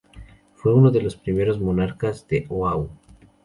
Fue uno de los primeros monarcas de Oʻahu.